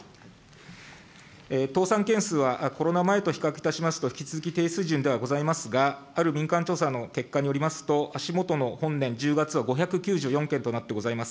倒産件数はコロナ前と比較いたしますと、引き続き低水準ではございますが、ある民間調査の結果によりますと、足下の本年１０月は５９４件となってございます。